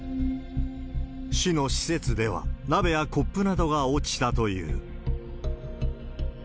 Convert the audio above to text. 市の施設では、鍋やコップなどが落ちたという。